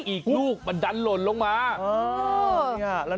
อีกลูกมันดันหล่นลงมา